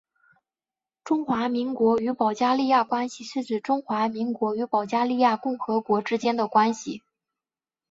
中华民国与保加利亚关系是指中华民国与保加利亚共和国之间的关系。